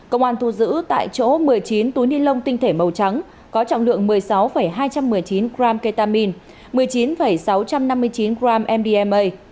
công an thu giữ tại chỗ một mươi chín túi ni lông tinh thể màu trắng có trọng lượng một mươi sáu hai trăm một mươi chín g ketamine một mươi chín sáu trăm năm mươi chín g mbma